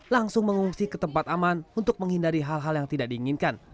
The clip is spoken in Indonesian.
langsung mengungsi ke tempat aman untuk menghindari hal hal yang tidak diinginkan